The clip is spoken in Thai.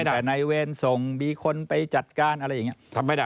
แต่ในเวรส่งมีคนไปจัดการอะไรอย่างเงี้ย